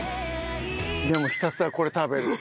ひたすらこれ食べる。